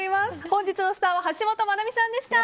本日のスターは橋本マナミさんでした。